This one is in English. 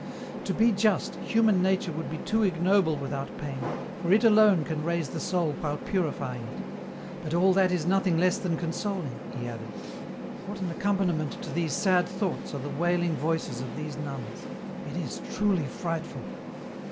" To be just, human nature would be too ignoble with out pain, for it alone can raise the soul while purifying it, but all that is nothing less than consoling," he added. " What an accompaniment to these sad thoughts are the wailing voices of these nuns ; it is truly frightful."